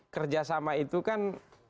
kerjasama itu kan